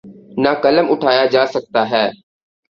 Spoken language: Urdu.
نہ قلم اٹھایا جا سکتا ہے۔